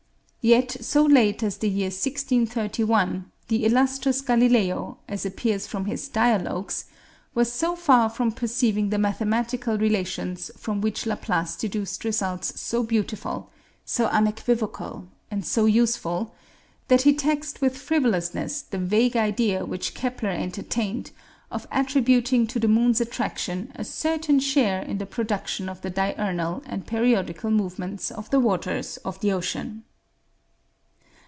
Yet so late as the year 1631 the illustrious Galileo, as appears from his 'Dialogues,' was so far from perceiving the mathematical relations from which Laplace deduced results so beautiful, so unequivocal, and so useful, that he taxed with frivolousness the vague idea which Kepler entertained of attributing to the moon's attraction a certain share in the production of the diurnal and periodical movements of the waters of the ocean.